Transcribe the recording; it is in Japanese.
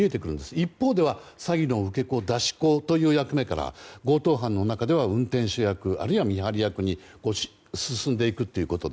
一方では、詐欺の受け子・出し子という役目から強盗犯の中では運転手役あるいは見張り役に進んでいくという。